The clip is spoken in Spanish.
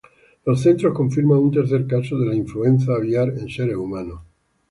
Los Centros confirman un tercer caso de la influenza aviar en seres humanos.